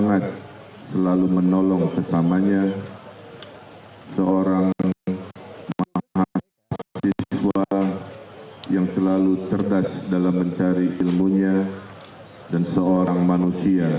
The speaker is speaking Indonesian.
assalamu'alaikum warahmatullahi wabarakatuh